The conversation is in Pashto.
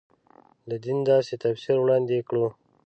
د دین داسې تفسیر وړاندې کړو.